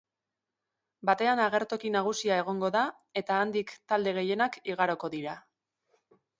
Batean agertoki nagusia egongo da eta handik talde gehienak igaroko dira.